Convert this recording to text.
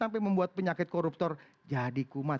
penyakit koruptor jadi kumat